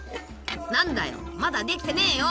何だよまだできてねぇよ。